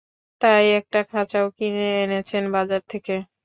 তাই একটা খাঁচাও কিনে এনেছেন বাজার থেকে।